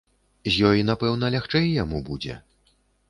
З ёй напэўна лягчэй яму будзе.